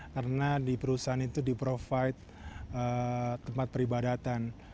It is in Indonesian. karena di perusahaan itu di provide tempat peribadatan